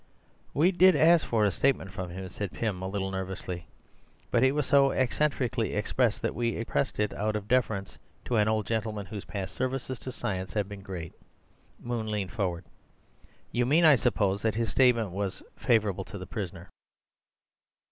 "We did ask for a statement from him," said Pym a little nervously; "but it was so eccentrically expressed that we suppressed it out of deference to an old gentleman whose past services to science have been great." Moon leaned forward. "You mean, I suppose," he said, "that his statement was favourable to the prisoner."